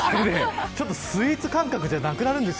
スイーツ感覚じゃなくなるんです